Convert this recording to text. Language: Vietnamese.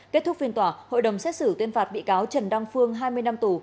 kết thúc phiên tỏa hội đồng xét xử tuyên phạt bị cáo trần đăng phương hai mươi năm tủ